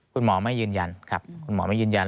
คุณหมอไม่ยืนยันครับคุณหมอไม่ยืนยัน